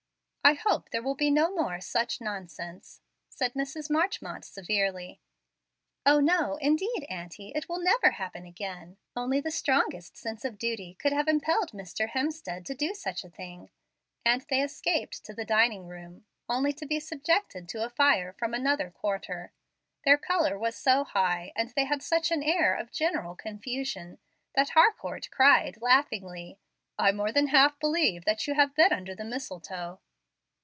"I hope there will be no more such nonsense," said Mrs. Marchmont, severely. "O, no, indeed, auntie; it will never happen again. Only the strongest sense of duty could have impelled Mr. Hemstead to do such a thing"; and they escaped to the dining room only to be subjected to a fire from another quarter. Their color was so high, and they had such an air of general confusion, that Harcourt cried, laughingly, "I more than half believe that you have been under the mistletoe."